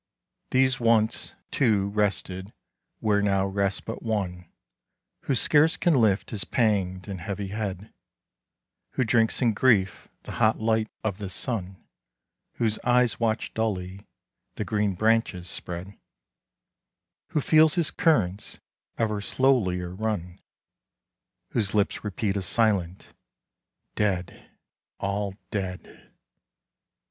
These once, too, rested where now rests but one, Who scarce can lift his panged and heavy head, Who drinks in grief the hot light of the sun, Whose eyes watch dully the green branches spread, Who feels his currents ever slowlier run, Whose lips repeat a silent '... Dead! all dead!'